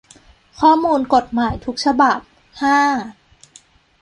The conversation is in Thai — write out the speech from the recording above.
ข้อมูลกฎหมายทุกฉบับ ห้า